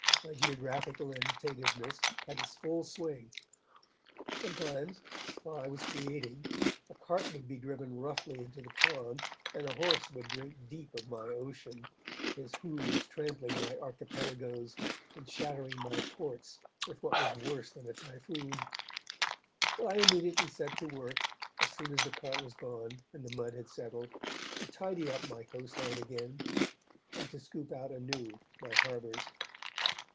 My geographical imitativeness had its full swing. Sometimes, while I was creating, a cart would be driven roughly into the pond, and a horse would drink deep of my ocean, his hooves trampling my archipelagoes and shattering my ports with what was worse than a typhoon. But I immediately set to work, as soon as the cart was gone and the mud had settled, to tidy up my coastline again and to scoop out anew my harbours.